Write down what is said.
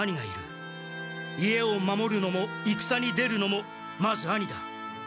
家を守るのも戦に出るのもまず兄だ。